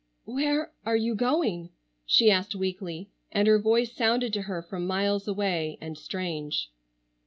"Where are you going?" she asked weakly, and her voice sounded to her from miles away, and strange.